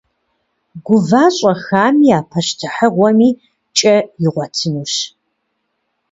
Гува щӏэхами, а пащтыхьыгъуэми кӏэ игъуэтынущ.